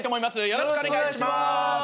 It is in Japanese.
よろしくお願いします！